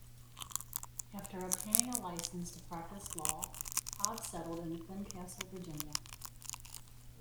After obtaining a license to practice law, Todd settled in Fincastle, Virginia.